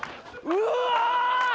うわ！？